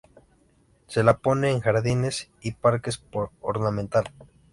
Se la pone en jardines y parques por ornamental.